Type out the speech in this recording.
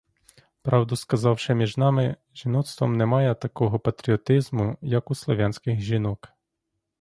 Правду сказавши, між нашим жіноцтвом нема такого патріотизму, як у слов'янських жінок.